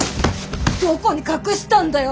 どこに隠したんだよ